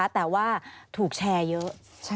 แต่ว่าถูกแชร์เยอะ